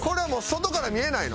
外から見えない？